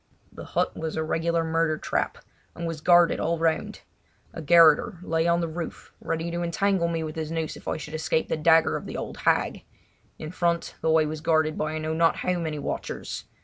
The hut was a regular murder trap, and was guarded all around. A garroter lay on the roof ready to entangle me with his noose if I should escape the dagger of the old hag. In front the way was guarded by I know not how many watchers.